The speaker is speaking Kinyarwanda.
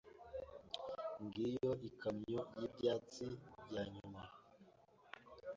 Ngiyo ikamyo y’ ibyatsi byanyuma!